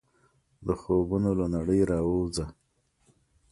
د خوبونو له نړۍ راووځه !